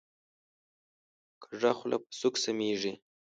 کږه خوله په سوک سمیږي